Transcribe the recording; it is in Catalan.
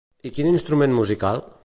I quin instrument musical?